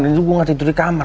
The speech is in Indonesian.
itu gue gak tidur di kamar